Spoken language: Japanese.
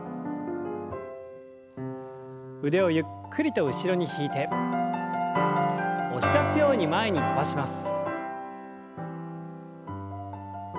腕をゆっくりと後ろに引いて押し出すように前に伸ばします。